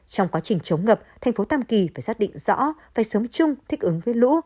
trong quá trình chống ngập thành phố tam kỳ phải xác định rõ phải sống chung thích ứng với lũ